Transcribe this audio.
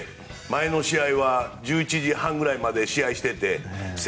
前の試合は１１時半ぐらいまで試合をしていて。